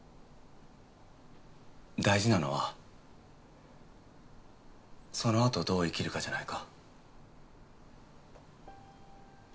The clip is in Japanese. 大事なのはそのあとどう生きるかじゃないか？